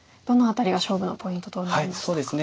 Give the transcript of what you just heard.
どの辺りが勝負のポイントとなりましたか。